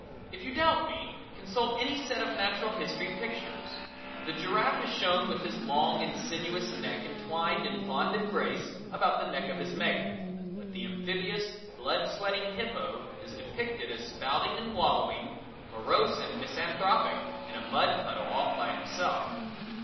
If you doubt me consult any set of natural history pictures. The giraffe is shown with his long and sinuous neck entwined in fond embrace about the neck of his mate; but the amphibious, blood sweating hippo is depicted as spouting and wallowing, morose and misanthropic, in a mud puddle off by himself.